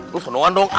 lo senuan dong